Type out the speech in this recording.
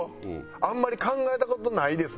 あんまり考えた事ないですね。